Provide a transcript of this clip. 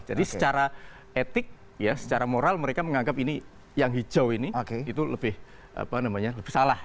jadi secara etik ya secara moral mereka menganggap ini yang hijau ini itu lebih salah